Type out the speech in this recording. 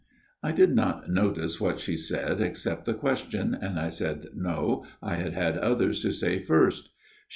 *" I did not notice what she said, except the question, and I said No, I had had others to say first.